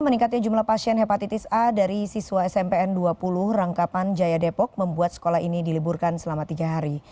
meningkatnya jumlah pasien hepatitis a dari siswa smpn dua puluh rangkapan jaya depok membuat sekolah ini diliburkan selama tiga hari